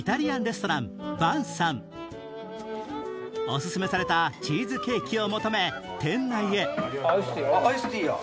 おすすめされたチーズケーキを求め店内へアイスティーや。